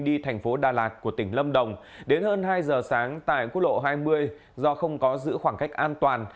đi thành phố đà lạt của tỉnh lâm đồng đến hơn hai giờ sáng tại quốc lộ hai mươi do không có giữ khoảng cách an toàn